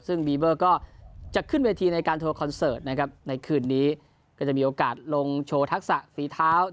ซึ่งบีเบอร์ก็จะขึ้นเวทีในการโทรคอนเสิร์ตนะครับในคืนนี้ก็จะมีโอกาสลงโชว์ทักษะฝีเท้า